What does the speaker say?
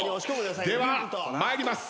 では参ります。